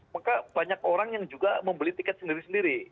maka banyak orang yang juga membeli tiket sendiri sendiri